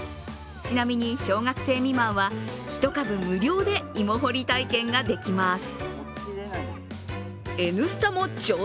ちなみに小学生未満は１株無料で芋掘り体験ができます。